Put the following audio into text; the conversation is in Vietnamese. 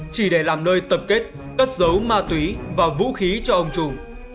chỉ để làm nơi tập kết cất dấu ma túy và vũ khí cho ông chùm